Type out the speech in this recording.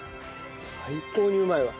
最高にうまいわ。